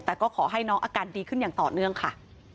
แต่ก็ขอให้น้องอาการดีขึ้นอย่างต่อเนื่องค่ะ